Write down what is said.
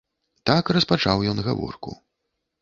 Так распачаў ён гаворку.